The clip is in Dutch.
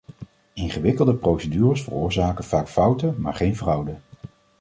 Ingewikkelde procedures veroorzaken vaak fouten, maar geen fraude.